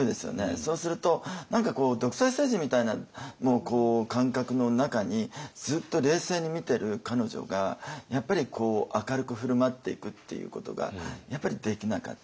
そうすると何かこう独裁政治みたいな感覚の中にずっと冷静に見てる彼女がやっぱり明るく振る舞っていくっていうことができなかった。